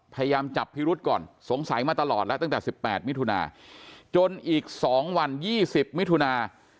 พยายามจับพิรุษก่อนสงสัยมาตลอดแล้วตั้งแต่๑๘มิถุนาจนอีก๒วัน๒๐มิถุนา